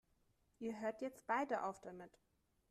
Ihr hört jetzt beide auf damit!